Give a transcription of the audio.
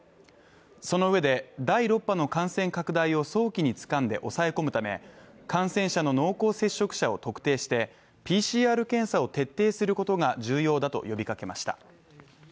そのうえで第６波の感染拡大を早期につかんで抑え込むため感染者の濃厚接触者を特定してＰＣＲ検査を徹底することが需要だと呼びかけました。